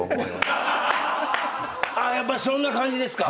やっぱりそんな感じですか。